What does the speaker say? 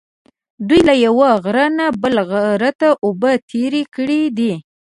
دوی له یوه غره نه بل ته اوبه تېرې کړې دي.